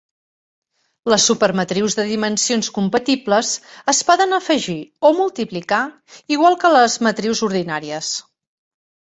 Les supermatrius de dimensions compatibles es poden afegir o multiplicar igual que les matrius ordinàries.